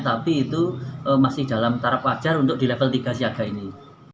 tapi itu masih dalam tarap wajar untuk di level tiga siaga ini